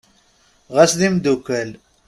Ɣes d imddukal.